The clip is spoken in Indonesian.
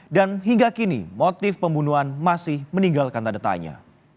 dan hingga kini motif pembunuhan masih meninggalkan tanda tanya